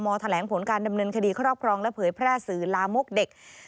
แถลงผลการดำเนินคดีครอบครองและเผยแพร่สื่อลามกเด็ก